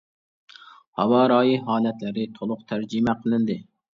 ھاۋا رايى ھالەتلىرى تولۇق تەرجىمە قىلىندى.